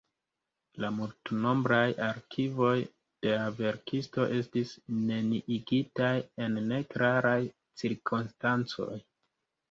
La multnombraj arkivoj de la verkisto estis neniigitaj en neklaraj cirkonstancoj.